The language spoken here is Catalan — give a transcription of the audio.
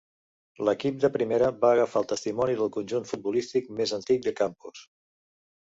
L'equip de Primera va agafar el testimoni del conjunt futbolístic més antic de Campos.